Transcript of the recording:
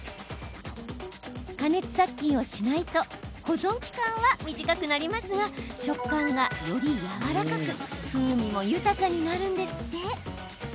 加熱殺菌しないと保存期間は短くなりますが食感が、よりやわらかく風味も豊かになるんですって。